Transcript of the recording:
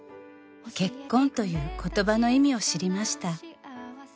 「結婚という言葉の意味を知りました」